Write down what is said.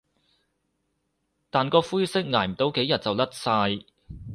但個灰色捱唔到幾日就甩晒